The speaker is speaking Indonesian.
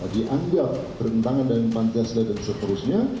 dianggap terhentangan dari pancasila dan seterusnya